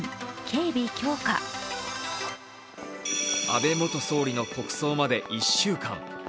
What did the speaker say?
安倍元総理の国葬まで１週間。